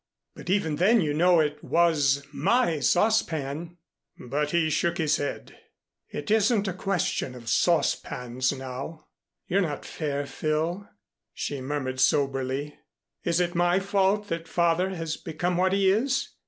"But even then you know it was my saucepan " But he shook his head. "It isn't a question of saucepans now." "You're not fair, Phil," she murmured soberly. "Is it my fault that father has become what he is?